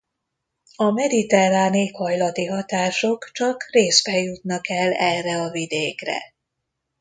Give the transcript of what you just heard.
A mediterrán éghajlati hatások csak részben jutnak el erre a vidékre.